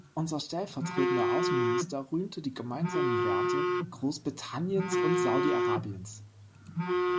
Unser stellvertretender Außenminister rühmte die gemeinsamen Werte Großbritanniens und Saudi-Arabiens.